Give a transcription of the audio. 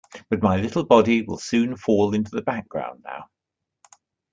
But my little body will soon fall into the background now.